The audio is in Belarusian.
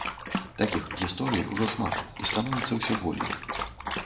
Такіх гісторый ужо шмат, і становіцца ўсё болей.